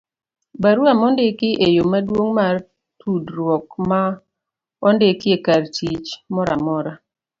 barua mindiko e yo maduong' mar tudruok ma ondiki e kartich moramora